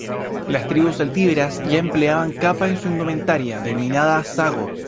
Las tribus celtíberas ya empleaban capa en su indumentaria, denominada "sago".